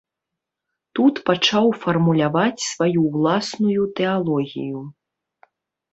Тут пачаў фармуляваць сваю ўласную тэалогію.